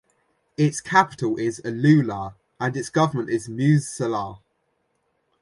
Its capital is Alula and its governor is Musse Salah.